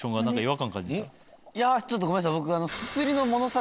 いやちょっとごめんなさい僕。